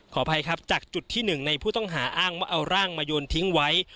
ขออภัยครับจากจุดที่หนึ่งในผู้ต้องหาอ้างว่าเอาร่างมาโยนทิ้งไว้